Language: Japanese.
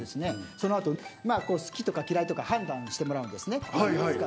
そのあと好きとか嫌いとか判断してもらうんですね。